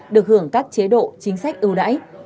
được hưởng các chế độ chính sách ưu đãi